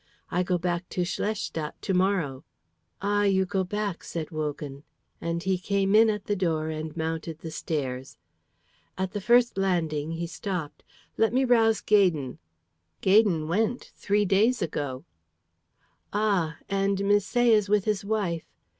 I go back to Schlestadt to morrow." "Ah, you go back," said Wogan; and he came in at the door and mounted the stairs. At the first landing he stopped. "Let me rouse Gaydon." "Gaydon went three days ago." "Ah! And Misset is with his wife.